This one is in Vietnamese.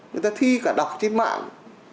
người ta thi cả đọc trên mạng